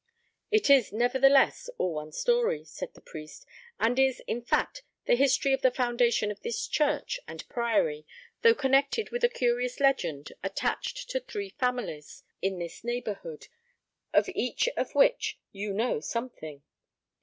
"It is, nevertheless, all one story," said the priest; "and is, in fact, the history of the foundation of this church and priory, though connected with a curious legend attached to three families in this neighbourhood, of each of which you know something.